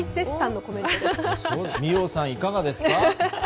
美桜さん、いかがですか？